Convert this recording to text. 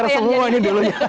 ini semua ini dulunya